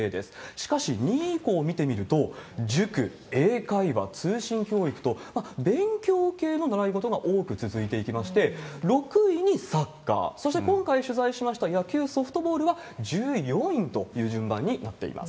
しかし２位以降を見てみると、塾、英会話、通信教育と勉強系の習い事が多く続いていきまして、６位にサッカー、そして今回取材しました野球、ソフトボールは１４位という順番になっています。